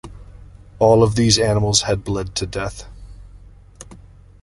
All of these animals had bled to death.